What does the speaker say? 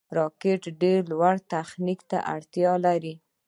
راکټ ډېر لوړ تخنیک ته اړتیا لري